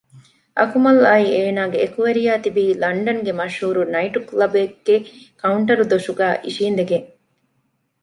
އަކުމަލްއާއި އޭނާގެ އެކުވެރިޔާ ތިބީ ލަންޑަންގެ މަޝްހޫރު ނައިޓު ކުލަބެއްގެ ކައުންޓަރު ދޮށުގައި އިށީނދެގެން